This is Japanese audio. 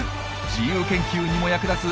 自由研究にも役立つ